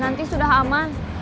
nanti sudah aman